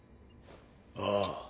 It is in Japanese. ああ。